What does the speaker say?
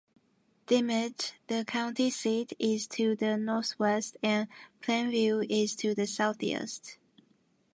Dimmitt, the county seat, is to the northwest, and Plainview is to the southeast.